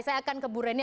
saya akan ke bu reni